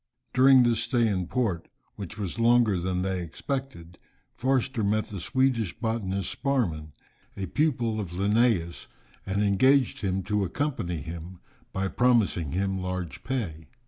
During this stay in port, which was longer than they expected, Forster met the Swedish botanist Sparman, a pupil of Linnæus, and engaged him to accompany him, by promising him large pay.